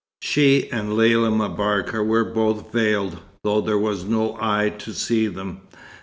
She and Lella M'Barka were both veiled, though there was no eye to see them.